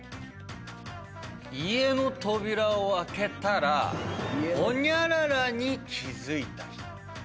家の扉を開けたらホニャララに気付いた人。